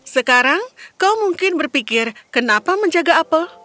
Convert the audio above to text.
sekarang kau mungkin berpikir kenapa menjaga apel